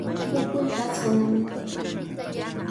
Puquy patsanami.